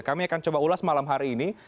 kami akan coba ulas malam hari ini